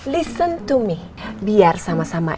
listen to me biar sama sama